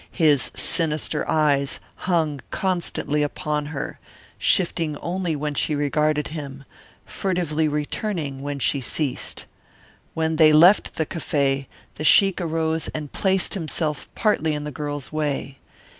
His sinister eyes hung constantly upon her, shifting only when she regarded him, furtively returning when she ceased. When they left the cafe, the sheik arose and placed himself partly in the girl's way.